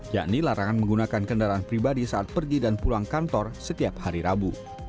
yakni larangan menggunakan kendaraan pribadi saat pergi dan pulang kantor setiap hari rabu